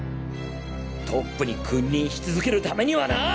トップに君臨しつづけるためにはなぁ！